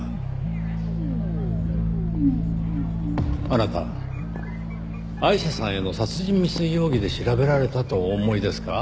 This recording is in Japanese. あなたアイシャさんへの殺人未遂容疑で調べられたとお思いですか？